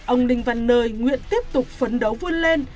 ông đinh văn nơi nguyện tiếp tục phấn đấu vươn lên